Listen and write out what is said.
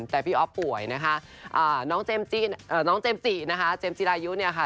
แต่พี่อ๊อฟป่วยนะคะน้องเจมส์จินะคะเจมส์จิรายุเนี่ยค่ะ